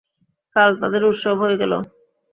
কাল তাদের উৎসব হয়ে গেল।